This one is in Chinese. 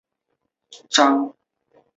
工布杜鹃为杜鹃花科杜鹃属下的一个种。